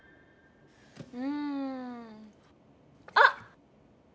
うんあっ！